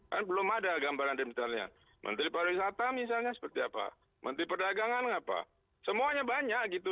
kan belum ada gambaran misalnya menteri pariwisata misalnya seperti apa menteri perdagangan apa semuanya banyak gitu